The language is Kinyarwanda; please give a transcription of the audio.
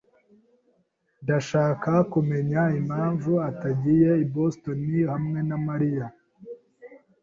Ndashaka kumenya impamvu atagiye i Boston hamwe na Mariya.